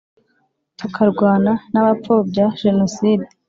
tukarwana n’abapfobya jenoside